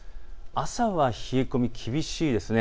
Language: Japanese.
朝は冷え込み厳しいです。